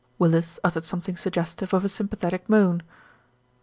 Willis uttered something suggestive of a sympathetic moan.